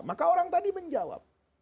maka orang tadi menjawab